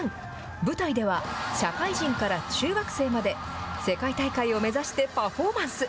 舞台では社会人から中学生まで、世界大会を目指してパフォーマンス。